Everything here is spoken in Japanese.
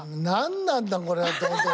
何なんだ